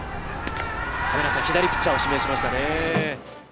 左ピッチャーを指名しましたね。